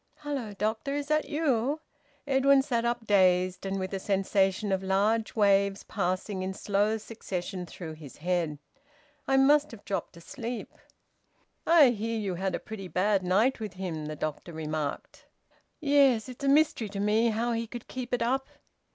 "Hello, doctor, is that you?" Edwin sat up, dazed, and with a sensation of large waves passing in slow succession through his head. "I must have dropped asleep." "I hear you had a pretty bad night with him," the doctor remarked. "Yes. It's a mystery to me how he could keep it up."